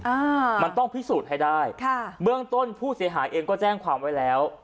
อ่ามันต้องพิสูจน์ให้ได้ค่ะเบื้องต้นผู้เสียหายเองก็แจ้งความไว้แล้ว